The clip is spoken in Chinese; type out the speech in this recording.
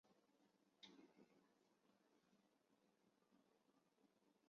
溪潭镇是中国福建省宁德市福安市下辖的一个镇。